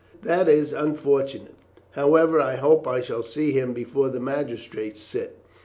"That is unfortunate. However, I hope I shall see him before the magistrates sit.